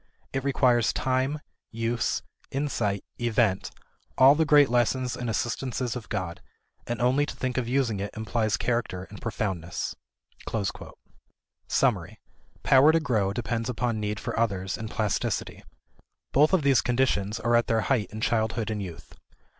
It requires time, use, insight, event, all the great lessons and assistances of God; and only to think of using it implies character and profoundness." Summary. Power to grow depends upon need for others and plasticity. Both of these conditions are at their height in childhood and youth.